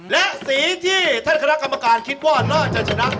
และสีที่ท่านคณะกรรมการคิดว่าน่าจะชนะ